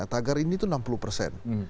tagar ini itu enam puluh persen